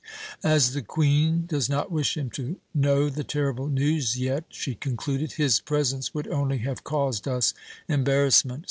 "As the Queen does not wish him to know the terrible news yet," she concluded, "his presence would only have caused us embarrassment.